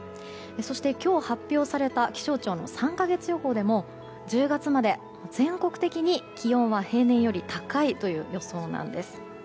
そして、今日発表された気象庁の３か月予報でも１０月まで全国的に気温は平年よりも高いという予想なんです。